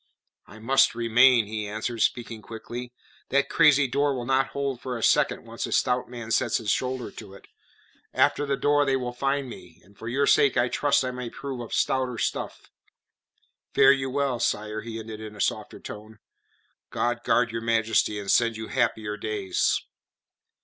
"I must remain," he answered, speaking quickly. "That crazy door will not hold for a second once a stout man sets his shoulder to it. After the door they will find me, and for your sake I trust I may prove of stouter stuff. Fare you well, sire," he ended in a softer tone. "God guard Your Majesty and send you happier days."